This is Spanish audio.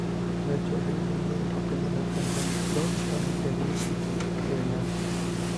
De hecho, se hizo famoso copiando la canción "Don't stop the music", de Rihanna.